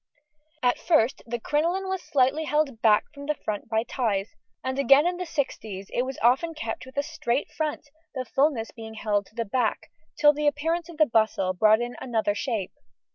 At first the crinoline was slightly held back from the front by ties, and again in the sixties it was often kept with a straight front, the fullness being held to the back, till the appearance of the bustle brought in another shape.